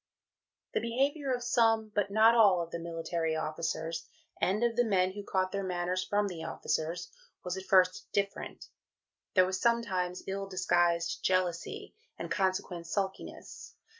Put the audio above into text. The behaviour of some (but not all) of the military officers, and of the men who caught their manners from the officers, was at first different. There was sometimes ill disguised jealousy, and consequent sulkiness.